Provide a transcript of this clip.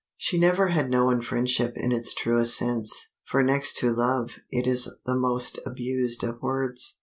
She never had known friendship in its truest sense, for next to love it is the most abused of words.